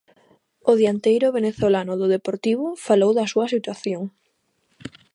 O dianteiro venezolano do Deportivo falou da súa situación.